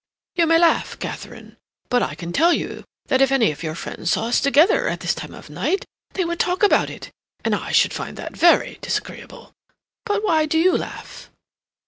"You may laugh, Katharine, but I can tell you that if any of your friends saw us together at this time of night they would talk about it, and I should find that very disagreeable. But why do you laugh?"